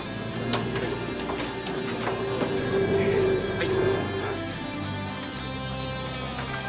はい。